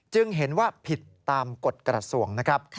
จึงเห็นว่าผิดตามกฎกระทรวง